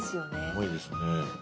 重いですね。